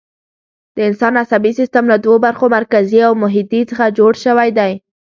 د انسان عصبي سیستم له دوو برخو، مرکزي او محیطي څخه جوړ شوی دی.